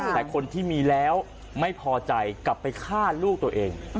แต่คนที่มีแล้วไม่พอใจกลับไปฆ่าลูกตัวเอง